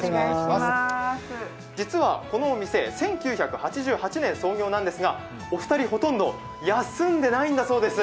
実はこのお店１９８８年創業なんですが、お二人、ほとんど休んでいないんだそうです。